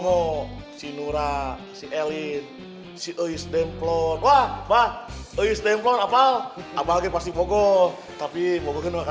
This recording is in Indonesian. oh si nura si elid situs ford baris homework abraham avale pasti mogok tapi mau saya